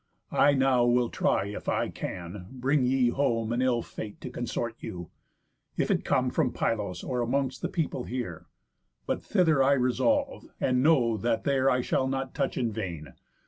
I now will try if I can bring ye home An ill Fate to consort you; if it come From Pylos, or amongst the people here. But thither I resolve, and know that there I shall not touch in vain.